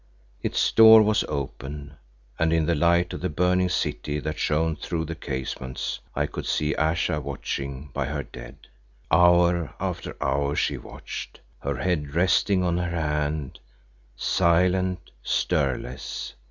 Its door was open, and in the light of the burning city that shone through the casements I could see Ayesha watching by her dead. Hour after hour she watched, her head resting on her hand, silent, stirless.